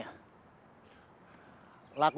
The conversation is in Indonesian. apakah aku harus memaksanya